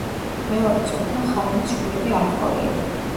მეორე ცოლთან ხაიმეს შვილები არ ჰყოლია.